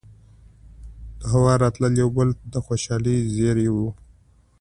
دهوا راتلل يو بل د خوشالۍ زېرے وو